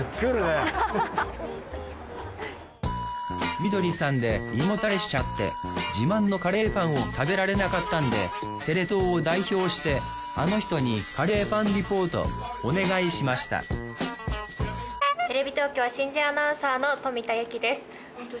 みどりさんで胃もたれしちゃって自慢のカレーパンを食べられなかったんでテレ東を代表してあの人にカレーパンリポートお願いしましたテレビ東京新人アナウンサーの冨田有紀です。